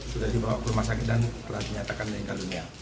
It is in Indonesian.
sudah dibawa ke rumah sakit dan telah dinyatakan meninggal dunia